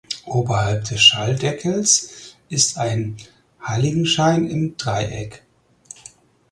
Oberhalb des Schalldeckels ist ein Heiligenschein im Dreieck.